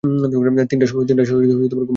তিনটার সময় ঘুম ভাঙল কুমুদের।